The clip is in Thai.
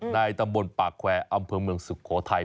ในตำบลปากแควร์อำเภอเมืองสุโขทัย